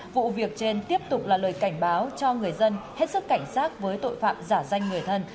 vụ việc trên tiếp tục là lời cảnh báo cho người dân hết sức cảnh sát với tội phạm giả danh người thân